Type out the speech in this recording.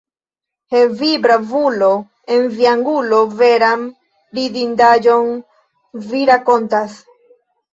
He, vi, bravulo en via angulo, veran ridindaĵon vi rakontas!